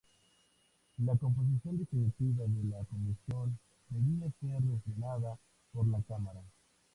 La composición definitiva de la comisión debía ser refrendada por la Cámara.